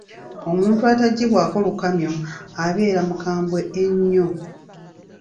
Omuntu ataggyibwako lukamyo abeera mukambwe ennyo.